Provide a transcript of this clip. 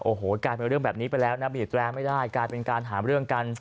โอ้โหกลายเป็นเรื่องแบบนี้ไปแล้วนะบีดแรร์ไม่ได้กลายเป็นการหาเรื่องกัน